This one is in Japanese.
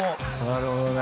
なるほどね。